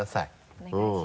お願いします。